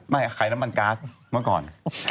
ใครน้ำมันก๊าซเมื่อก่อน